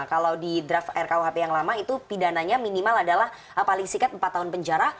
kalau di draft rkuhp yang lama itu pidananya minimal adalah paling sikat empat tahun penjara